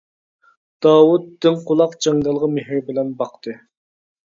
داۋۇت دىڭ قۇلاق جاڭگالغا مېھرى بىلەن باقتى.